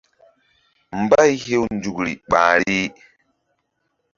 Mbay hew nzukri ɓahri.